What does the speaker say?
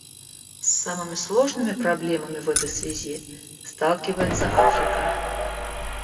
С самыми сложными проблемами в этой связи сталкивается Африка.